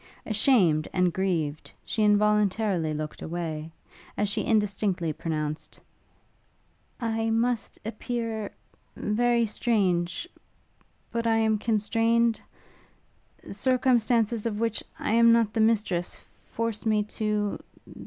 Ashamed and grieved, she involuntarily looked away, as she indistinctly pronounced, 'I must appear ... very strange ... but I am constrained.... Circumstances of which I am not the mistress, force me to ...